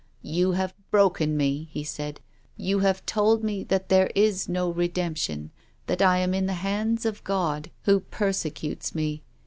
"You have broken me," he said. "You have told me that there is no redemption, that I am in the hands of God, who persecutes me.